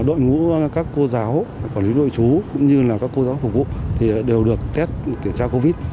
đội ngũ các cô giáo quản lý nội chú cũng như là các cô giáo phục vụ thì đều được test kiểm tra covid